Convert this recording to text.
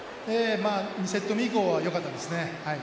２セット目以降は良かったですね。